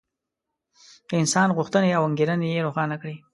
د انسان غوښتنې او انګېرنې یې روښانه کړې.